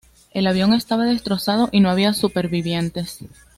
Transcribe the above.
El avión estaba destrozado, y no había supervivientes.